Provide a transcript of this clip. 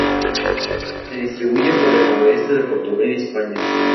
Se distribuye por el noroeste de Portugal y España.